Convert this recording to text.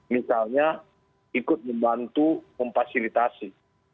misalnya ikut membantu memfasilitasi